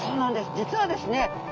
実はですね